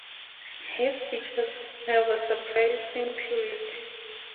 Her features have a surprising purity.